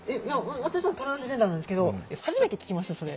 私もトランスジェンダーなんですけど初めて聞きましたそれ。